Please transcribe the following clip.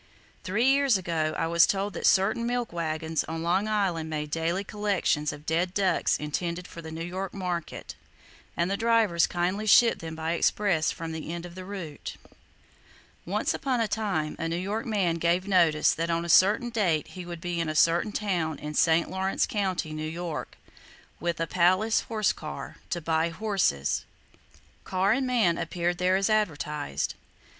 Three years ago, I was told that certain milk wagons on Long Island made daily collections of dead ducks intended for the New York market, and the drivers kindly shipped them by express from the end of the route. Once upon a time, a New York man gave notice that on a certain date he would be in a certain town in St. Lawrence County, New York, with a palace horse car, "to buy horses." Car and man appeared there as advertised.